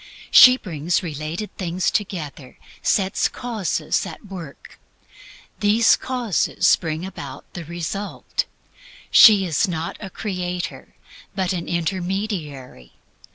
She brings related things together; sets causes at work; these causes bring about the result. She is not a creator, but an intermediary.